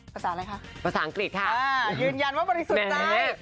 ภาษาอะไรคะภาษาอังกฤษค่ะยืนยันว่าบริสุทธิ์ใจ